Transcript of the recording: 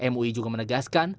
mui juga menegaskan